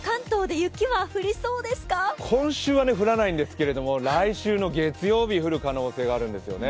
今週は降らないんですけど来週の月曜日降る可能性があるんですね。